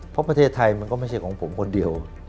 เพราะประเทศไทยมันก็ไม่ใช่ของผมคนเดียว